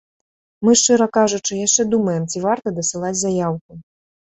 Мы, шчыра кажучы, яшчэ думаем, ці варта дасылаць заяўку.